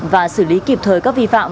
và xử lý kịp thời các vi phạm